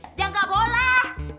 jangan nggak boleh